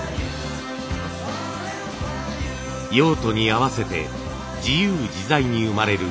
用途に合わせて自由自在に生まれる